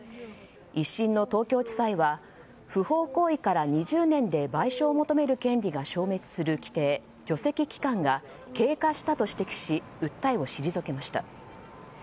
１審の東京地裁は不法行為から２０年で賠償を求める権利が消滅する規定除斥期間が経過したと指摘し訴えを退けました。